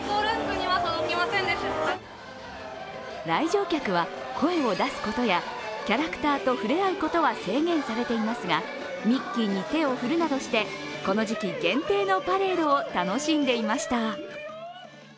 来場客は声を出すことやキャラクターと触れ合うことは制限されていますがミッキーに手を振るなどしてこの時期限定のパレードを楽しんでいました。